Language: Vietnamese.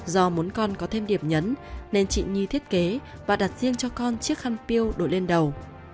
do muốn con có thêm điểm nhấn nên chị nhi thiết kế và đặt riêng cho con chiếc khăn piêu đổi lên đầu